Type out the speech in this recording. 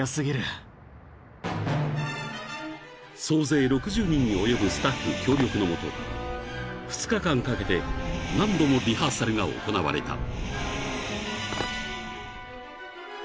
［総勢６０人に及ぶスタッフ協力のもと２日間かけて何度もリハーサルが行われた］